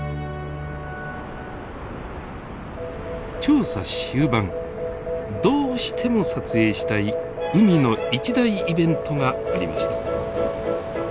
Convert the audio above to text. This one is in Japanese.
調査終盤どうしても撮影したい海の一大イベントがありました。